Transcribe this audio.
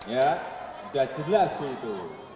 ya sudah jelas itu